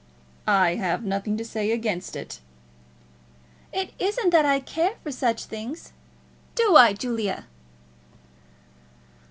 "I have nothing to say against it." "It isn't that I care for such things. Do I, Julia?"